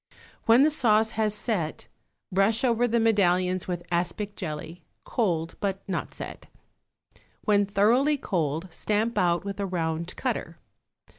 When the sauce has set, brush over the medallions with aspic jelly, cold but not set. When thoroughly cold stamp out with a round cutter.